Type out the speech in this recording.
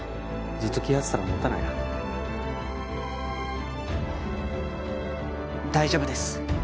ずっと気張ってたらもたないよ大丈夫です